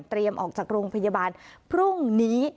เตรียมออกจากโรงพยาบาลพรุ่งนี้